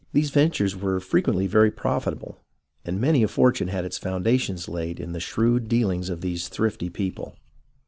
These ventures were frequently very profitable, and many a fortune had its foundations laid in the shrewd deaHngs of these thrifty people.